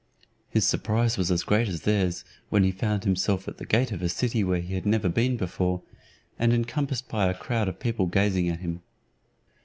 His surprise was as great as theirs, when he found himself at the gate of a city where he had never been before, and encompassed by a crowd of people gazing at him.